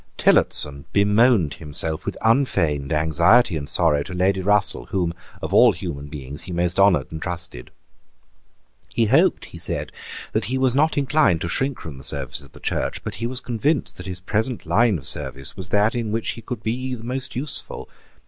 Tillotson bemoaned himself with unfeigned anxiety and sorrow to Lady Russell, whom, of all human beings, he most honoured and trusted, He hoped, he said, that he was not inclined to shrink from the service of the Church; but he was convinced that his present line of service was that in which he could be most useful.